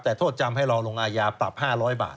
แต่โทษจำให้รอลงอาญาปรับ๕๐๐บาท